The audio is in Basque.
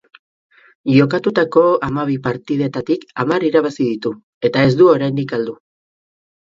Jokatutako hamabi partidetatik hamar irabazi ditu, eta ez du oraindik galdu.